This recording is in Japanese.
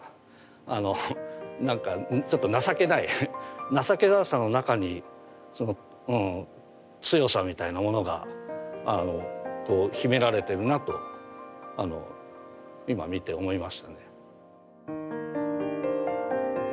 あのなんかちょっと情けない情けなさの中に強さみたいなものがこう秘められてるなと今見て思いましたね。